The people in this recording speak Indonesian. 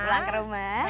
pulang ke rumah